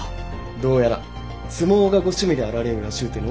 どうやら相撲がご趣味であられるらしうての。